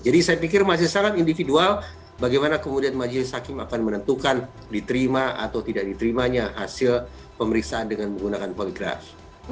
jadi saya pikir masih sangat individual bagaimana kemudian majelis hakim akan menentukan diterima atau tidak diterimanya hasil pemeriksaan dengan menggunakan poligraf